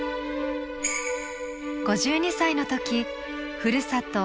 ５２歳の時ふるさと